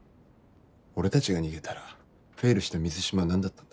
俺たちが逃げたらフェイルした水島は何だったんだ。